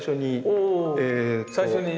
お最初に。